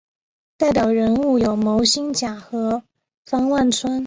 代表人物有牟兴甲和方万春。